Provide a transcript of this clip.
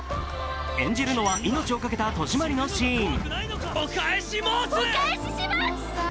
演じるのは命を懸けた戸締まりのシーン。